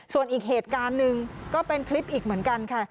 ส่วนอีกเหตุการณ์หนึ่งก็เป็นคลิปอีกเหมือนกันค่ะ